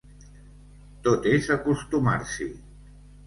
Tot és acostumar-s'hi.